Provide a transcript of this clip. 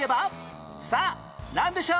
さあなんでしょう？